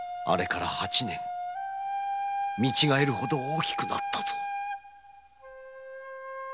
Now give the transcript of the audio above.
あれから八年見違えるほど大きくなったぞ。